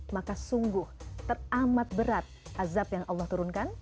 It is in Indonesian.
maka sungguh teramat berat azab yang allah turunkan